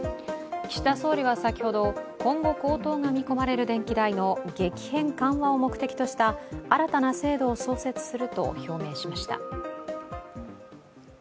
岸田総理は先ほど、今後、高騰が見込まれる電気代の激変緩和を目的とした新たな制度を創設すると表明しました。